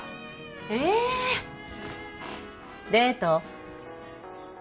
へえデート？